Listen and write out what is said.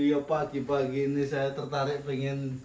iya pagi pagi ini saya tertarik ingin bikin apa dia